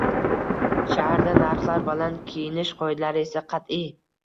Shaharda narxlar baland, kiyinish qoidalari esa qat’iy